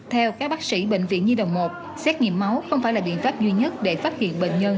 theo các bác sĩ bệnh viện nhi đồng một xét nghiệm máu không phải là biện pháp duy nhất để phát hiện bệnh nhân